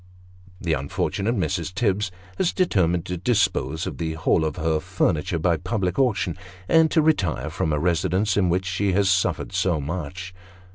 The unfortunate Mrs. Tibbs has determined to dispose of the whole of her furniture by public auction, and to retire from a residence in which she has suffered so much.